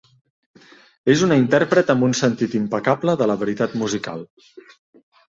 És una intèrpret amb un sentit impecable de la veritat musical.